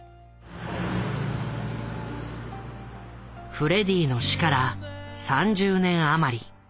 フレディの死から３０年余り。